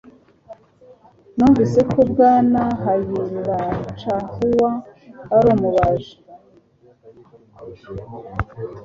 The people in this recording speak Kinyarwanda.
Numvise ko Bwana Huayllacahua ari umubaji.